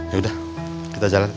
ya udah kita jalan